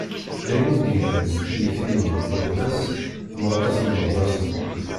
D ayen i d-yeglan s tyitiwin d uḥbas n waṭas n yimeɣnasen.